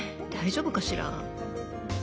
大丈夫かしら？